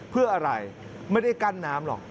เพื่ออะไรไม่ได้กั้นน้ำหรอก